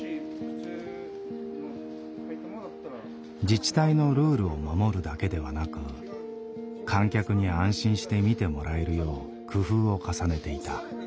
自治体のルールを守るだけではなく観客に安心して見てもらえるよう工夫を重ねていた。